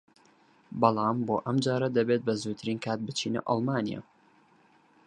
بەڵام بۆ ئەمجارە دەبێت بەزووترین کات بچینە ئەڵمانیا